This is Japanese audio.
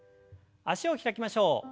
脚を開きましょう。